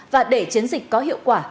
và để chiến dịch có hiệu quả